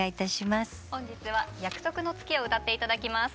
本日は「約束の月」を歌って頂きます。